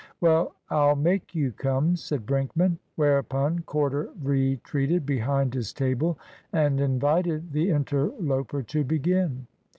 "Well, I'll make you come," said Brinkman. Whereupon Corder retreated behind his table and invited the interloper to begin.